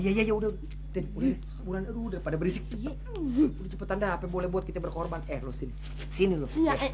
iya iya iya udah udah udah pada berisik cepet anda apa boleh buat kita berkorban eh lu sini sini lu